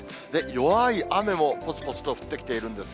弱い雨もぽつぽつと降ってきているんです。